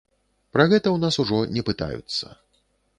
Пра гэта ў нас ужо не пытаюцца.